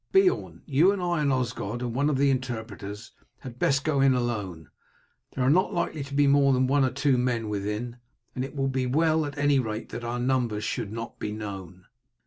"Beorn, you and I and Osgod and one of the interpreters had best go in alone; there are not likely to be more than one or two men within, and it will be well at any rate that our numbers should not be known."